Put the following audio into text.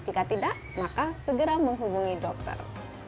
jika tidak maka segera menghubungi dokter